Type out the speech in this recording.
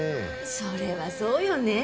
それはそうよねえ。